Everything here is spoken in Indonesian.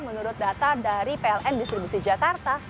menurut data dari pln distribusi jakarta